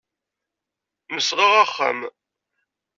Nesɣa axxam.